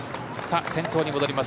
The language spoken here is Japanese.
先頭に戻ります。